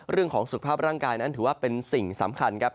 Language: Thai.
เรื่องของสุขภาพร่างกายนั้นถือว่าเป็นสิ่งสำคัญครับ